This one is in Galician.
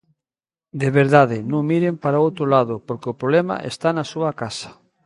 De verdade, non miren para outro lado, porque o problema está na súa casa.